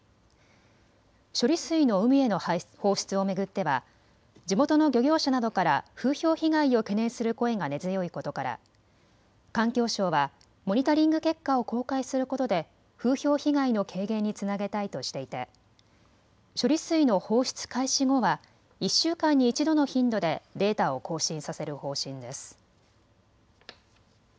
処理水の海への放出を巡っては地元の漁業者などから風評被害を懸念する声が根強いことから環境省はモニタリング結果を公開することで風評被害の軽減につなげたいとしていて処理水の放出開始後は１週間に１度の頻度でデータを更新させる方針です。